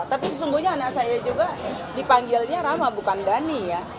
tapi sesungguhnya anak saya juga dipanggilnya rama bukan dhani ya